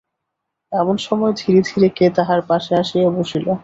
এমন সময় ধীরে ধীরে কে তাহার পাশে আসিয়া বসিল।